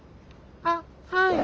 あっはい！